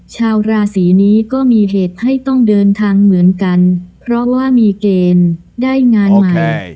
ชาวราศีนี้ก็มีเหตุให้ต้องเดินทางเหมือนกันเพราะว่ามีเกณฑ์ได้งานใหม่